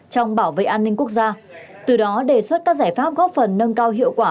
trong bảo vệ an ninh quốc gia từ đó đề xuất các giải pháp góp phần nâng cao hiệu quả